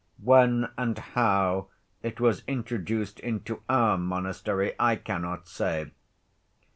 When and how it was introduced into our monastery I cannot say.